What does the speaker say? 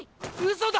嘘だ！